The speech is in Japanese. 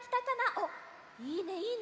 おっいいねいいね。